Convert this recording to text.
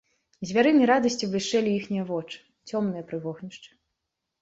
Звярынай радасцю блішчэлі іхнія вочы, цёмныя пры вогнішчы.